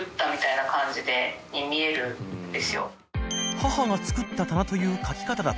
「母が作った棚」という書き方だと